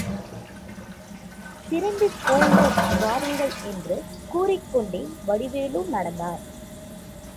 திரும்பிப் போவோம் வாருங்கள் என்று கூறிக்கொண்டே வடிவேலு நடந்தார்.